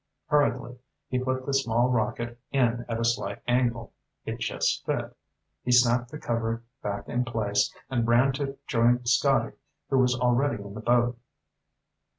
Hurriedly he put the small rocket in at a slight angle. It just fit. He snapped the cover back in place and ran to join Scotty, who was already in the boat.